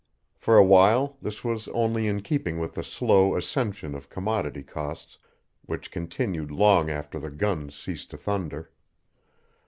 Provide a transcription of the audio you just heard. For a while this was only in keeping with the slow ascension of commodity costs which continued long after the guns ceased to thunder.